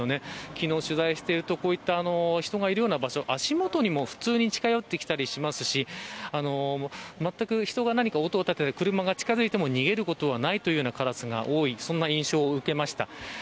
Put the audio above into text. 昨日、取材をしていると人がいるような場所、足元にも普通に近寄ってきたりしますしまったく人が何か音を立てて車が近づいても逃げることはないというカラスが多いそんな印象を受けました。